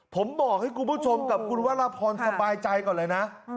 ผมบอกให้คุณผู้ชมกับคุณวรพรสบายใจก่อนเลยนะ